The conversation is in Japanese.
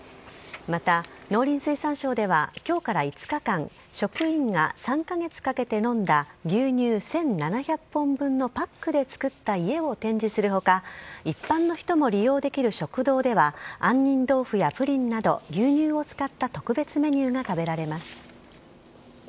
また、農林水産省ではきょうから５日間、職員が３か月かけて飲んだ牛乳１７００本分のパックで作った家を展示するほか、一般の人も利用できる食堂では、杏仁豆腐やプリンなど、牛乳を使った特別メニューが食べられます。